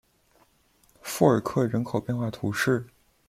富尔克人口变化图示